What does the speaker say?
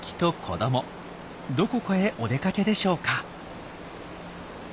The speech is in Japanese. どこかへお出かけでしょうか？